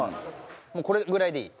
もうこれぐらいでいい？